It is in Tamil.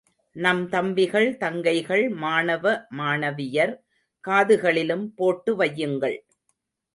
நம் தம்பிகள், தங்கைகள் மாணவ, மாணவியர் காதுகளிலும் போட்டு வையுங்கள்.